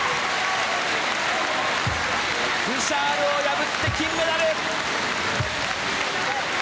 ブシャールを破って金メダル！